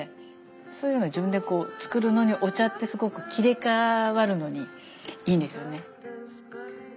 そういうの自分で作るのにお茶ってすごく切り替わるのにいいんですよね。